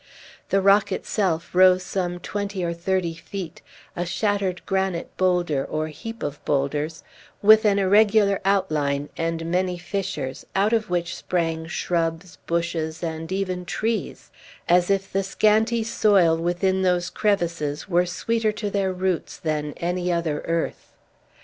The rock itself rose some twenty or thirty feet, a shattered granite bowlder, or heap of bowlders, with an irregular outline and many fissures, out of which sprang shrubs, bushes, and even trees; as if the scanty soil within those crevices were sweeter to their roots than any other earth.